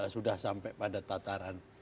sudah sampai pada tataran